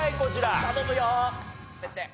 頼むよ！